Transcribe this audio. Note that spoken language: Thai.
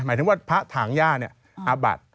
หมายถึงว่าพระถางหญ้าอาบัติ